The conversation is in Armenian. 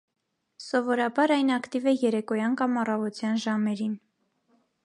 Սովորաբար այն ակտիվ է երեկոյան կամ առավոտյան ժամերին։